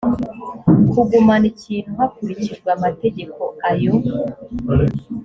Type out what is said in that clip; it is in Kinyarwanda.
kugumana ikintu hakurikijwe amategeko ayo